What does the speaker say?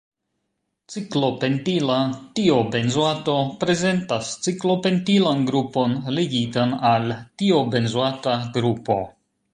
Ciklopentila tiobenzoato prezentas ciklopentilan grupon ligitan al tiobenzoata grupo.